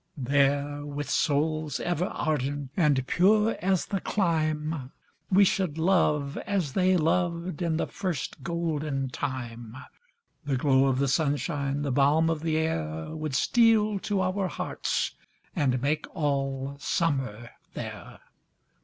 There, with souls ever ardent and pure as the clime, We should love, as they loved in the first golden time; The glow of the sunshine, the balm of the air, Would steal to our hearts, and make all summer there.